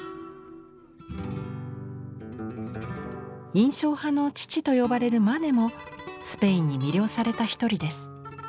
「印象派の父」と呼ばれるマネもスペインに魅了された一人です。